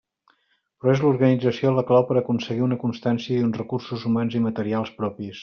Però és l'organització la clau per a aconseguir una constància i uns recursos humans i materials propis.